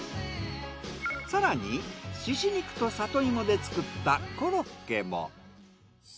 更に猪肉と里芋で作ったコロッケも。